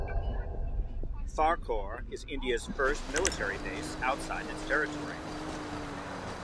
Farkhor is India's first military base outside its territory.